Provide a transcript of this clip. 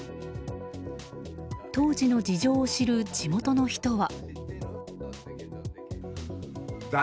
当時の事情を知る地元の人は。